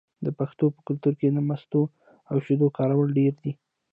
د پښتنو په کلتور کې د مستو او شیدو کارول ډیر دي.